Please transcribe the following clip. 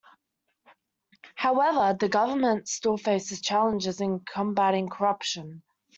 However, the government still faces challenges in combating corruption.